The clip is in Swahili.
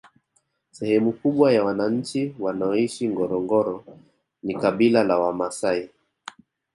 Sehemu kubwa ya wananchi wanaoishi ngorongoro ni kabila la wamaasai